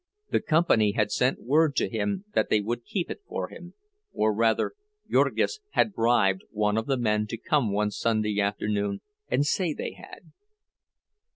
The company had sent word to him that they would keep it for him—or rather Jurgis had bribed one of the men to come one Sunday afternoon and say they had.